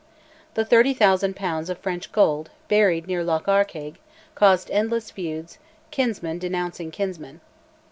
The 30,000 pounds of French gold, buried near Loch Arkaig, caused endless feuds, kinsman denouncing kinsman.